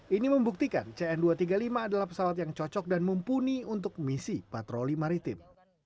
ini membuktikan cn dua ratus tiga puluh lima adalah pesawat yang cocok dan mumpuni untuk misi patroli maritim